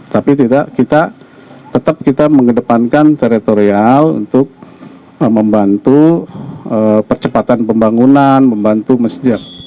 tapi kita tetap mengedepankan teritorial untuk membantu percepatan pembangunan membantu masjid